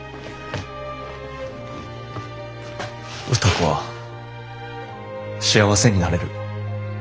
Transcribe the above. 歌子は幸せになれる。